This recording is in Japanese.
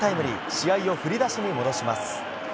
試合を振り出しに戻します。